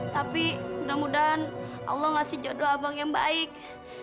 tapi mudah mudahan allah ngasih jodoh abang yang baik